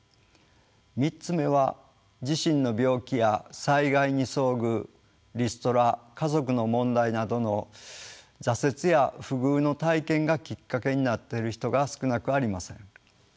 ３つ目は自身の病気や災害に遭遇リストラ家族の問題などの挫折や不遇の体験がきっかけになっている人が少なくありません。